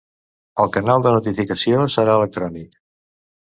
El canal de notificació serà electrònic.